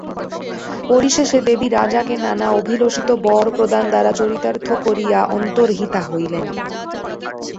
পরিশেষে দেবী রাজাকে নানা অভিলষিত বর প্রদান দ্বারা চরিতার্থ করিয়া অন্তর্হিতা হইলেন।